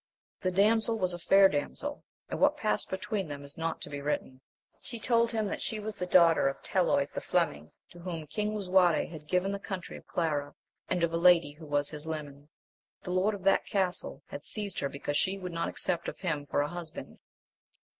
The damsel was a fair damsel, and what passed between them is not to be written. She told him that she was the daughter of Teloys the Fleming, to whom King Lisuarte had given the county of Clara, and of a lady who was his leman ; the lord of that castle had seized her because she would not accept of him for a husband.